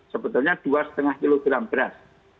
sebetulnya dua lima kg beras